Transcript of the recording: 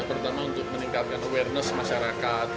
pertama untuk meningkatkan awareness masyarakat